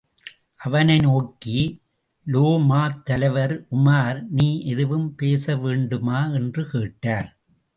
அவனை நோக்கி உலேமாத்தலைவர், உமார் நீ எதுவும் பேசவேண்டுமா? என்று கேட்டார்.